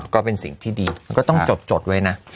ก็เป็นสิ่งที่ดีมันก็ต้องจดไว้นะ